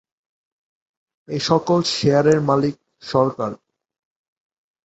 এর সকল শেয়ারের মালিক সরকার।